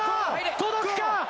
届くか？